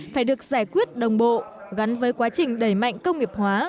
phải được giải quyết đồng bộ gắn với quá trình đẩy mạnh công nghiệp hóa